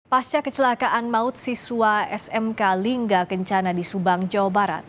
pasca kecelakaan maut siswa smk lingga kencana di subang jawa barat